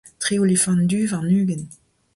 tri olifant du warn-ugent.